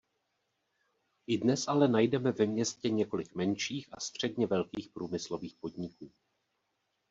I dnes ale najdeme ve městě několik menších a středně velkých průmyslových podniků.